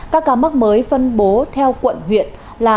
các ca mắc mới phân bố theo quận huyện là